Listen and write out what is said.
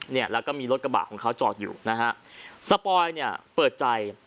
เนี้ยแล้วก็มีรถกระบาดของเขาจอดอยู่ครับโปรวัติเนี่ยเปิดใจ